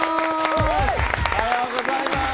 おはようございます。